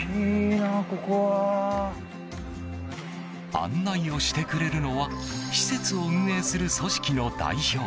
案内をしてくれるのは施設を運営する組織の代表